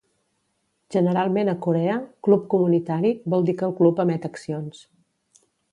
Generalment a Corea, "club comunitari" vol dir que el club emet accions.